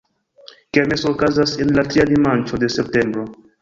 Kermeso okazas en la tria dimanĉo de septembro.